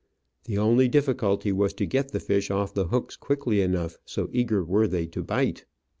The only difficulty was to get the fish off" the hooks quickly enough, so eager were they to bite.